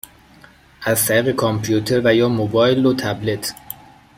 از طریق کامپیوتر و یا موبایل و تبلت